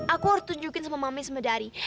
aku harus tunjukin sama mami sama dari